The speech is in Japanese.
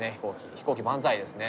飛行機万歳ですね。